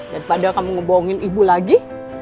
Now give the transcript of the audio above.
daripada kamu ngebohongin ibu lagi